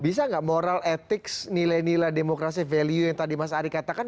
bisa nggak moral etik nilai nilai demokrasi value yang tadi mas ari katakan